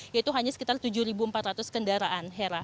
yaitu hanya sekitar tujuh empat ratus kendaraan hera